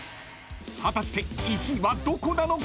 ［果たして１位はどこなのか］